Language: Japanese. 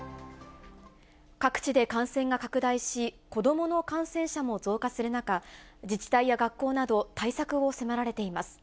各地で感染が拡大し、子どもの感染者も増加する中、自治体や学校など、対策を迫られています。